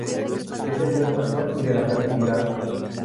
Es el dios pastor y de la fertilidad.